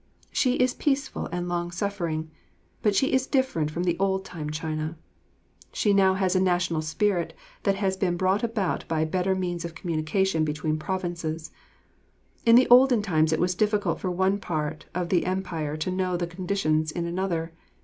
She is peaceful and long suffering, but she is different from the old time China. She has now a national spirit that has been brought about by better means of communication between provinces. In the olden time it was difficult for one part or the Empire to know the conditions in another.